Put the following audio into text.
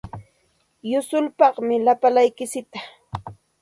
Yusulpaaqi lapalaykitsikta.